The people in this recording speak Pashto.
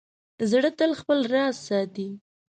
زړه تل خپل راز ساتي.